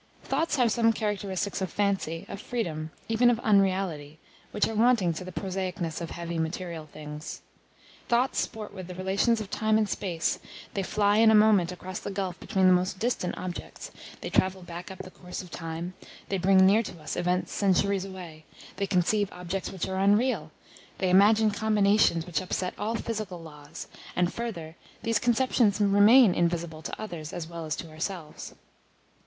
Thoughts have some characteristics of fancy, of freedom, even of unreality, which are wanting to the prosaicness of heavy material things. Thoughts sport with the relations of time and space; they fly in a moment across the gulf between the most distant objects; they travel back up the course of time; they bring near to us events centuries away; they conceive objects which are unreal; they imagine combinations which upset all physical laws, and, further, these conceptions remain invisible to others as well as to ourselves.